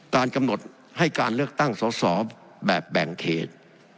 การกำหนดให้การเลือกตั้งสอสอแบบแบ่งเขต